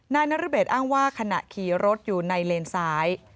นายนรเบศอ้างว่าขณะขี่รถอยู่ในเลนซ้าย